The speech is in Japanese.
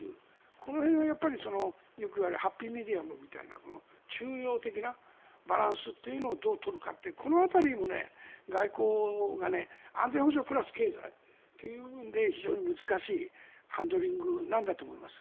この辺が、よくいわれるハッピーミディアムみたいな中庸的なバランスというのをどう取るかというこの辺り、外交が安全保障プラス経済という部分で非常に難しいハンドリングなんだと思います。